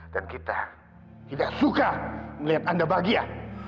dan kita tidak suka melihat anda bahagia